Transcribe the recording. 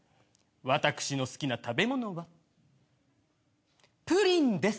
私の好きな食べ物はプリンです。